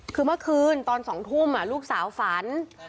คือเมื่อคืนตอน๒ทุ่มลูกสาวฝัน